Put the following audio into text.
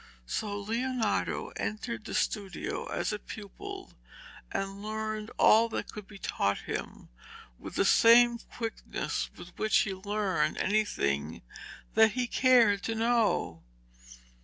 So Leonardo entered the studio as a pupil, and learned all that could be taught him with the same quickness with which he learned anything that he cared to know.